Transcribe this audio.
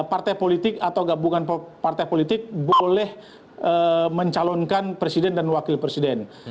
partai politik atau gabungan partai politik boleh mencalonkan presiden dan wakil presiden